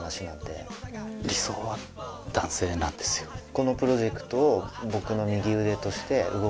このプロジェクトを。